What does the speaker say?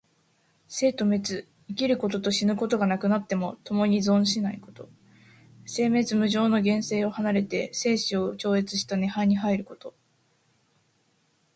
生と滅、生きることと死ぬことがなくなって、ともに存しないこと。生滅無常の現世を離れて生死を超越した涅槃に入ること。